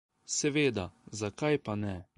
Seveda, zakaj pa ne?